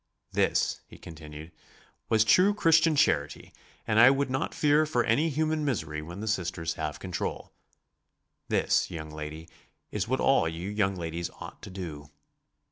"This," he continued, "was true Christian charity, and I would not fear for any human misery when the Sisters have control. This, young lady, is what all you young ladies ought to do."